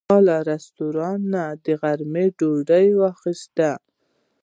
ما له رستورانت نه د غرمې ډوډۍ واخیسته.